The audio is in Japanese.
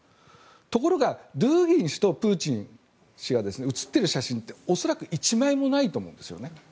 ところがドゥーギン氏とプーチン氏が写っている写真って恐らく１枚もないと思うんですよね。